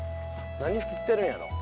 何釣ってるんやろう？